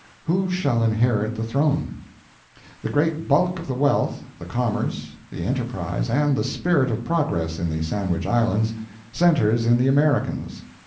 WHO SHALL INHERIT THE THRONE? The great bulk of the wealth, the commerce, the enterprise and the Spirit of progress in the Sandwich Islands centers in the Americans.